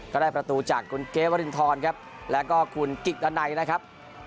ก็ได้ประตูจากคุณเกวรินทรครับแล้วก็คุณกิตดันัยนะครับ